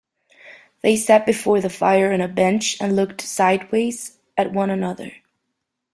They sat before the fire on a bench and looked sideways at one another.